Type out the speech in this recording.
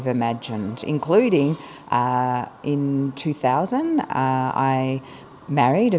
vì đã có một cơ hội tuyệt vời